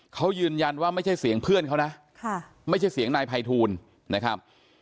เขายืนยันว่าไม่ใช่เสียงเพื่อนเขานะไม่ใช่เสียงนายภัยทูลนะครับ